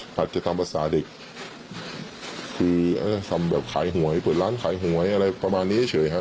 จะตามภาษาเด็กคือทำแบบขายหวยเปิดร้านขายหวยอะไรประมาณนี้เฉยครับ